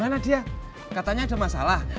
karena dia katanya ada masalah